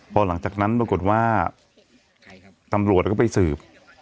พอหลังจากนั้นปรากฏว่าตำรวจก็ไปสืบ